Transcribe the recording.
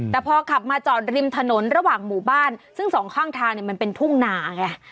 แต่พอขับมาจอดริมถนนระหว่างหมู่บ้านซึ่งสองข้างทางเนี่ยมันเป็นทุ่งหนาไง